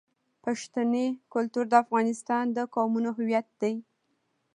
پښتني کلتور د افغانستان د قومونو هویت دی.